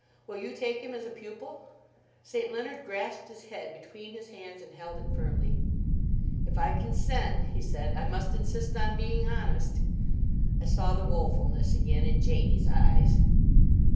Will you take him as a pupil?" St. Leonard grasped his head between his hands and held it firmly. "If I consent," he said, "I must insist on being honest." I saw the woefulness again in Janie's eyes.